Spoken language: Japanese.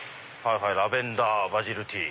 「ラベンダーバジルティー」。